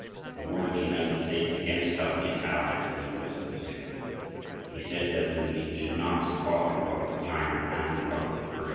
He warned the United States against helping its allies in the western Pacific. He said that we should not support the Republic of China and the Republic of Korea.